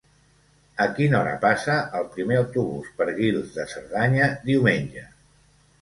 A quina hora passa el primer autobús per Guils de Cerdanya diumenge?